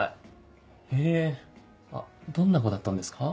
へぇどんな子だったんですか？